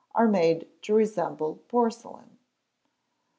are made to resemble porclain.